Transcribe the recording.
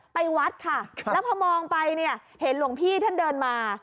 วัดค่ะแล้วพอมองไปเนี่ยเห็นหลวงพี่ท่านเดินมา